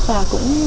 và cũng khó